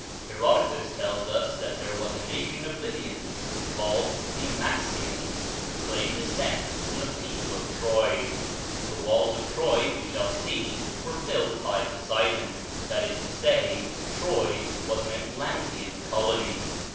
Herodotus tells us that there was a nation of Libyans, called the Maxyans, who claimed descent from the people of Troy (the walls of Troy, we shall see, were built by Poseidon; that is to say, Troy was an Atlantean colony).